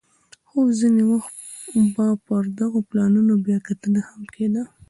خو ځیني وخت به پر دغو پلانونو بیا کتنه هم کېده